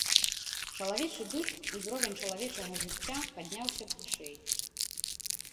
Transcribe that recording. Чалавечы быт, узровень чалавечага жыцця падняўся б вышэй.